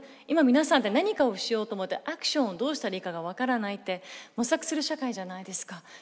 今皆さんって何かをしようと思ってアクションをどうしたらいいかが分からないって模索する社会じゃないですか。